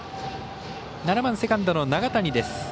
７番セカンドの永谷です。